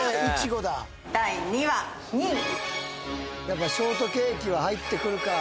やっぱショートケーキは入ってくるか。